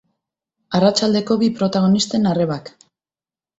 Arratsaldeko bi protagonisten arrebak.